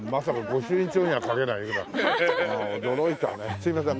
すいません。